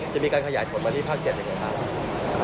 จะมีการขยายผลมาที่ภาค๗ยังไงบ้าง